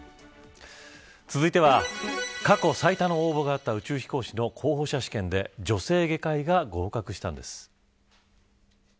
続いては、過去最多の応募があった宇宙飛行士の候補者試験で女性外科医が合格したんです。